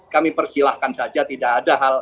kami persilahkan saja tidak ada hal